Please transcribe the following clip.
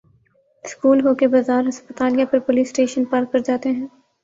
school ہو کہ بازار ہسپتال یا پھر پولیس اسٹیشن پار کر جاتے ہیں